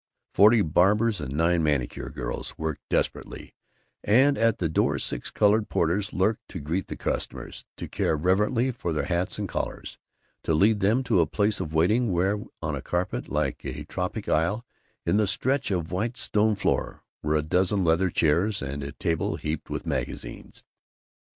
Forty barbers and nine manicure girls worked desperately, and at the door six colored porters lurked to greet the customers, to care reverently for their hats and collars, to lead them to a place of waiting where, on a carpet like a tropic isle in the stretch of white stone floor, were a dozen leather chairs and a table heaped with magazines.